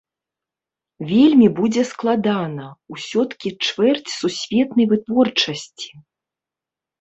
Вельмі будзе складана, усё-ткі чвэрць сусветнай вытворчасці.